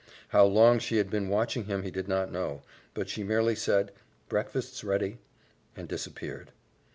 How long she had been watching him he did not know, but she merely said, "Breakfast's ready," and disappeared.